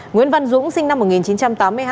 nguyễn văn dũng sinh năm một nghìn chín trăm tám mươi hai